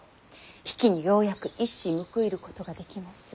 比企にようやく一矢報いることができます。